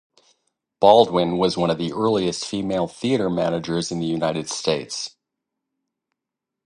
Baldwin was one of the earliest female theatre managers in the United States.